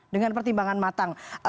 dengan pertimbangan matang